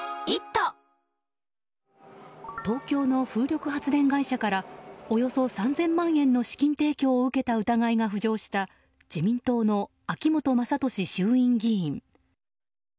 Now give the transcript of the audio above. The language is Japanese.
東京の風力発電会社からおよそ３０００万円の資金提供を受けた疑いが浮上した自民党の秋本真利衆院議員。